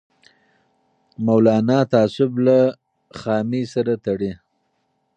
مولانا تعصب له خامۍ سره تړي